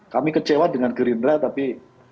kami kecewa dengan gerindra tapi